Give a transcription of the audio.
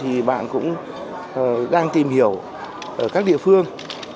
thì bạn cũng đang tìm hiểu ở các địa phương